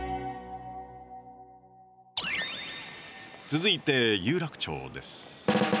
続いて有楽町です。